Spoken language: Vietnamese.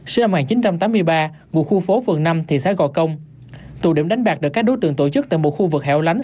sinh năm một nghìn chín trăm tám mươi ba ngụ khu phố phường năm thị xã gò công tụ điểm đánh bạc được các đối tượng tổ chức tại một khu vực hẻo lánh